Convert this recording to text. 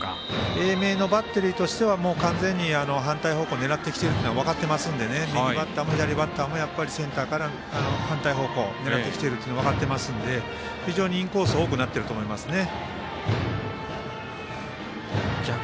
英明のバッテリーとしては完全に反対方向狙ってきてるというのは分かってますので右バッターも左バッターもセンターから反対方向狙ってきているっていうの分かってますので非常にインコース多くなってると思いますね。